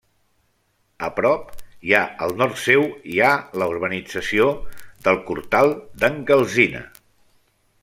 A prop i al nord seu hi ha la urbanització del Cortal d'en Calcina.